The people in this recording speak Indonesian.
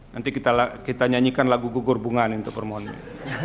nanti kita nyanyikan lagu gugur bunga untuk permohonannya